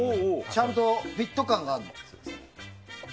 ちゃんとフィット感があるの。